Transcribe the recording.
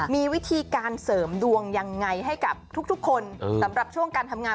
มีวิธีการเสริมดวงยังไงให้กับทุกคนสำหรับช่วงการทำงาน